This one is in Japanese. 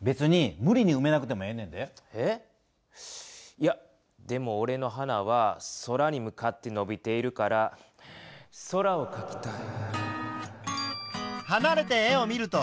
いやでもおれの花は空に向かってのびているから空をかきたい。